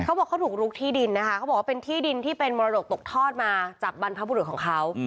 เขาบอกเขาถูกลุกที่ดินนะคะเขาบอกว่าเป็นที่ดินที่เป็นมรดกตกทอดมาจากบรรพบุรุษของเขา